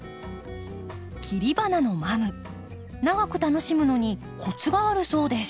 切り花のマム長く楽しむのにコツがあるそうです。